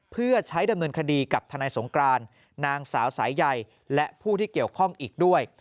เพื่อใช้ดำเนินคดีกับทนายสงกรานนางสาวสายใยและผู้ที่เกี่ยวข้องอีกด้วย